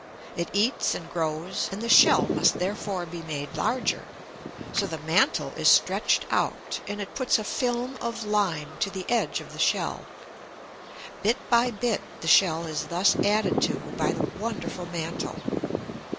It eats and grows, and the shell must therefore be made larger. So the mantle is stretched out, and it puts a film of lime to the edge of the shell. Bit by bit the shell is thus added to by the wonderful mantle.